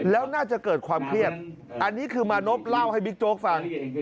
แล้วน่าจะเกิดความเครียดอันนี้คือมานพเล่าให้บิ๊กโจ๊กฟัง